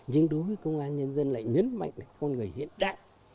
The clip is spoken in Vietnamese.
nhưng đối với công an nhân dân lại nhấn mạnh con người hiện đại